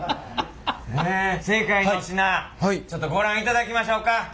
正解の品ちょっとご覧いただきましょうか。